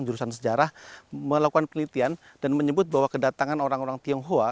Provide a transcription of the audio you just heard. jurusan sejarah melakukan penelitian dan menyebut bahwa kedatangan orang orang tionghoa